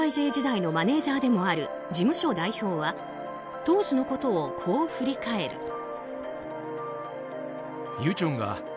ＪＹＪの時代のマネジャーでもある事務所代表は当時のことをこう振り返る。